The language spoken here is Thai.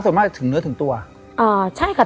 อะไรอย่างเช่นกันไปเล่างงาน